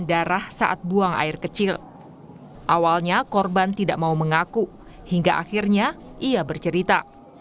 darah saat buang air kecil awalnya korban tidak mau mengaku hingga akhirnya ia bercerita